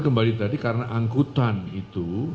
kembali tadi karena angkutan itu